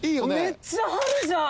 めっちゃ春じゃん。